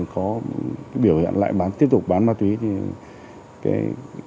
có biểu hiện lại tiếp tục bán ma túy